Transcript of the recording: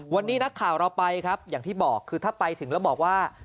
วันนี้นักข่าวเราไปครับอย่างที่บอกคือถ้าไปถึงแล้วบอกว่า